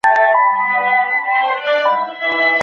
通带调制与相应的解调通过调制解调器设备实现。